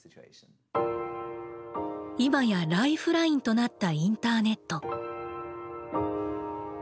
今やライフラインとなったインターネット。